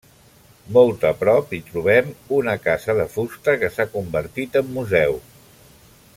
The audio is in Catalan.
Molt a prop hi trobem una casa de fusta que s'ha convertit en museu.